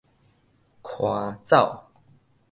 寬走